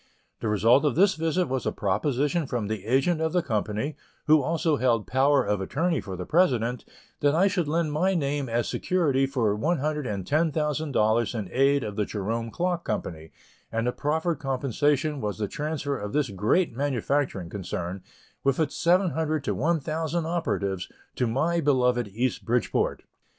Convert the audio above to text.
The result of this visit was a proposition from the agent of the company, who also held power of attorney for the president, that I should lend my name as security for $110,000 in aid of the Jerome Clock Company, and the proffered compensation was the transfer of this great manufacturing concern, with its seven hundred to one thousand operatives, to my beloved East Bridgeport.